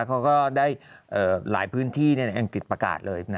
เขาก็ได้หลายพื้นที่ในอังกฤษประกาศเลย